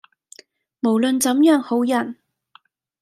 無論怎樣好人，